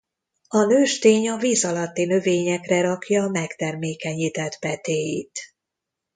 A nőstény a víz alatti növényekre rakja megtermékenyített petéit.